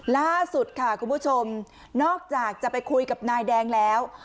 ล่าสุดค่ะคุณผู้ชมนอกจากจะไปคุยกับนายแดงแล้ว